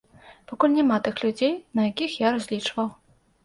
Пакуль няма тых людзей, на якіх я разлічваў.